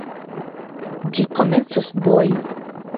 Ĝi komencos boji.